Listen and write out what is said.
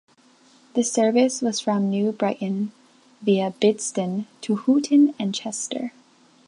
This service was from New Brighton, via Bidston, to Hooton and Chester.